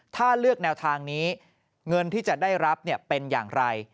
ถ้าเลือกแนวทางนี้เงินที่จะได้รับเป็นอย่างไร